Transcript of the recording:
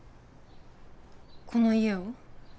この家を？